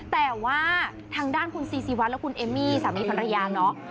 แต่ว่าทางด้านคุณซีซีวัดและคุณเอมมี่สามีภรรยาเนาะ